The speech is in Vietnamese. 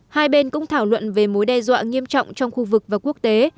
hai bên cũng thảo luận về mối đe dọa nghiêm trọng trong khu vực và quốc tế